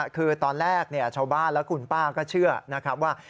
คือตอนแรกชาวบ้านและคุณป้าก็เชื่อนะครับว่า